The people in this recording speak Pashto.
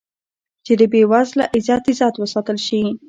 چې د بې وزله عزت وساتل شي.